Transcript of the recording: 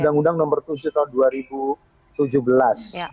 nomor tujuh tahun dua ribu tujuh belas